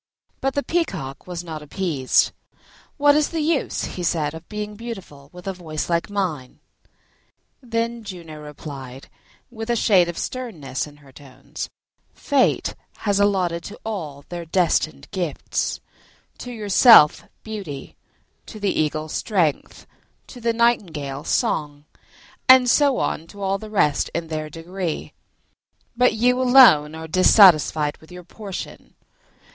But the Peacock was not appeased. "What is the use," said he, "of being beautiful, with a voice like mine?" Then Juno replied, with a shade of sternness in her tones, "Fate has allotted to all their destined gifts: to yourself beauty, to the eagle strength, to the nightingale song, and so on to all the rest in their degree; but you alone are dissatisfied with your portion.